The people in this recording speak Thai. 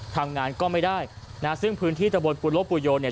ทำงานก็ไม่ได้นะฮะซึ่งพื้นที่ตะบนปุโลปุโยเนี่ย